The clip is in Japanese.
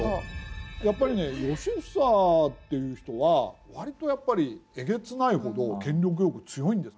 やっぱりね良房っていう人は割とやっぱりえげつないほど権力欲強いんですよ。